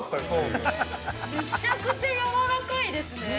◆めちゃくちゃやわらかいですね。